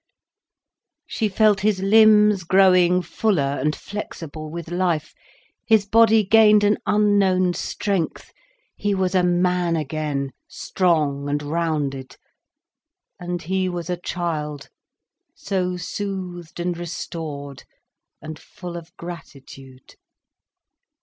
He felt his limbs growing fuller and flexible with life, his body gained an unknown strength. He was a man again, strong and rounded. And he was a child, so soothed and restored and full of gratitude.